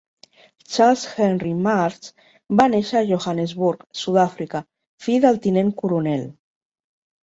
Charles Henry Madge va néixer a Johannesburg, Sud-àfrica, fill del Tinent Coronel.